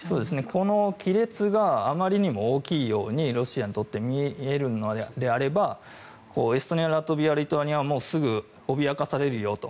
この亀裂があまりにも大きいようにロシアにとって見えるのであればエストニア、ラトビアリトアニアすぐ脅かされるよと。